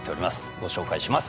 ご紹介します